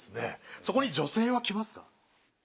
そこに女性は来ますか？